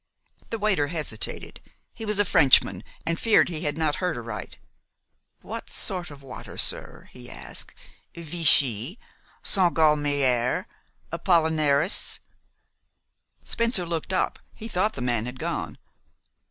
The waiter hesitated. He was a Frenchman, and feared he had not heard aright. "What sort of water, sir," he asked, "Vichy, St. Galmier, Apollinaris?" Spencer looked up. He thought the man had gone.